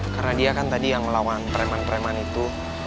karena dia kan tadi yang ngelawan treman treman itu